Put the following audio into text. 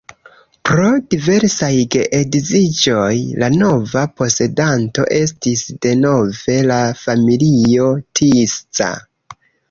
Pro diversaj geedziĝoj la nova posedanto estis denove la familio Tisza.